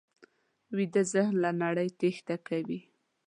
ویده ذهن له نړۍ تېښته کوي